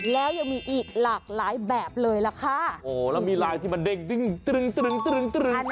แล้วยังมีอีกหลากหลายแบบเลยล่ะค่ะโอ้แล้วมีลายที่มันเด้งดึงตรึงตรึงตรึงตรึง